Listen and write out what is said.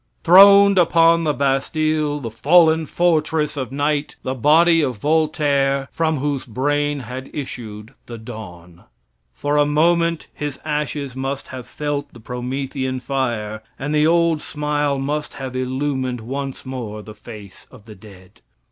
Throned upon the Bastille, the fallen fortress of night, the body of Voltaire, from whose brain had issued the dawn. For a moment his ashes must have felt the Promethean fire, and the old smile must have illumined once more the face of the dead.